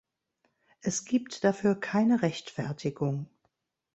Es gibt dafür keine Rechtfertigung.